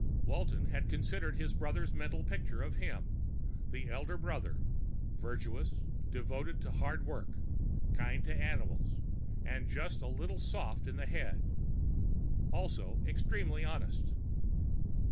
Walton had considered his brother's mental picture of him the elder brother, virtuous, devoted to hard work, kind to animals, and just a little soft in the head. Also, extremely honest.